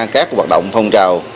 các hoạt động phong trào